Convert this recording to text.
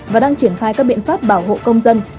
và đang triển khai các biện pháp bảo hộ công dân